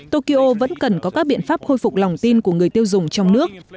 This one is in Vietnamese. tokyo vẫn cần có các biện pháp khôi phục lòng tin của người tiêu dùng trong nước